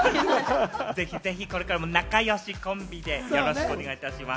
これからも仲良しコンビでよろしくお願いいたします。